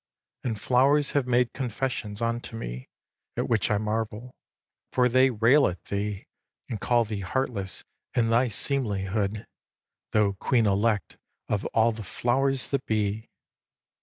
And flowers have made confessions unto me At which I marvel; for they rail at thee And call thee heartless in thy seemlihood, Though queen elect of all the flowers that be.